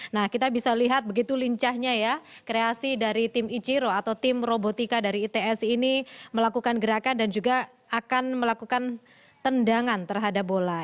nah kita bisa lihat begitu lincahnya ya kreasi dari tim ichiro atau tim robotika dari its ini melakukan gerakan dan juga akan melakukan tendangan terhadap bola